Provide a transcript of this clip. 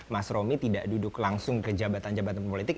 mas romi tidak duduk langsung ke jabatan jabatan politik